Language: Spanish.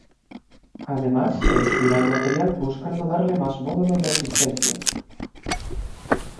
Además se estira el material buscando darle más módulo y resistencia.